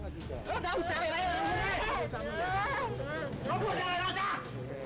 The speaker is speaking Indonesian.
tidak ada masalah tidak ada masalah